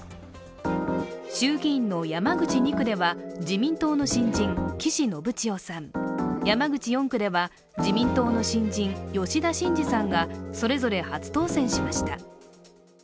衆議院の山口２区では自民党の新人、岸信千世さん山口４区では自民党の新人、吉田真次さんがそれぞれ初当選しました。